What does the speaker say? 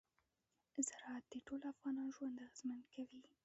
زراعت د ټولو افغانانو ژوند اغېزمن کوي.